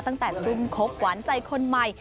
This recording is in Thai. ตั้งแต่รุ่นคกหวานใจคนใหม่